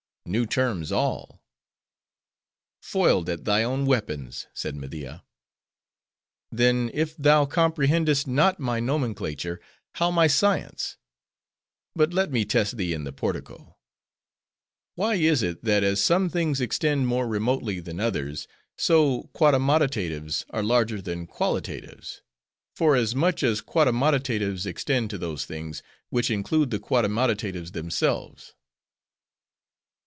"New terms all!" "Foiled at thy own weapons," said Media. "Then, if thou comprehendest not my nomenclature:—how my science? But let me test thee in the portico.—Why is it, that as some things extend more remotely than others; so, Quadammodotatives are larger than Qualitatives; forasmuch, as Quadammodotatives extend to those things, which include the Quadammodotatives themselves."